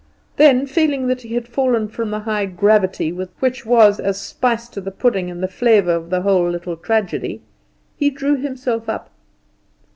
Then, feeling that he had fallen from that high gravity which was as spice to the pudding, and the flavour of the whole little tragedy, he drew himself up.